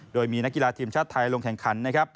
โดยมีนักกีฬาทีมชาติไทยลงแข่งขันนะครับ